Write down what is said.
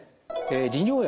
利尿薬。